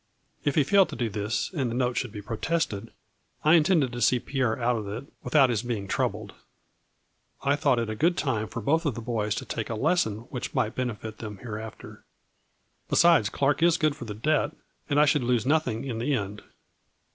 If he failed to do this, and the note should be protested, I intended to see Pierre out of it, without his being troubled. I thought it a good time for both of the boys to take a lesson which might benefit them here after. Besides, Clark is good for the debt and I should lose nothing in the end.